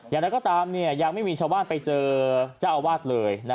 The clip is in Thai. อย่างไรก็ตามยังไม่มีชาวบ้านไปเจอเจ้าอาวาสเลย